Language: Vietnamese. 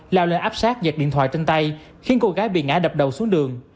lao lên áp sát giật điện thoại trên tay khiến cô gái bị ngã đập đầu xuống đường